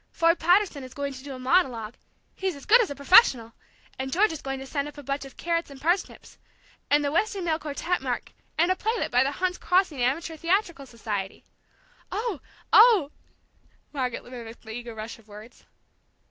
Ford Patterson is going to do a monologue, he's as good as a professional! and George is going to send up a bunch of carrots and parsnips! And the Weston Male Quartette, Mark, and a playlet by the Hunt's Crossing Amateur Theatrical Society!" "Oh oh!" Margaret mimicked the eager rush of words.